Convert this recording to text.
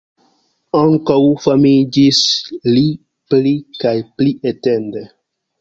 Ankaŭ famiĝis li pli kaj pli etende.